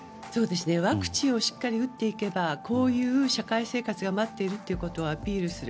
ワクチンをしっかり打っていけばこういう社会生活が待っているとアピールする。